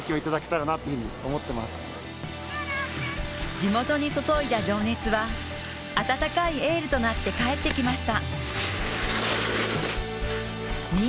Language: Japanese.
地元に注いだ情熱は温かいエールとなってかえってきました。